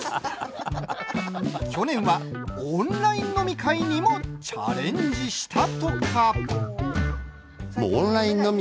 去年は、オンライン飲み会にもチャレンジしたとか？